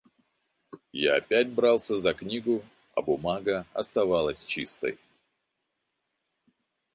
Я опять брался за книгу, а бумага оставалась чистой.